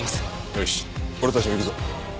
よし俺たちも行くぞ。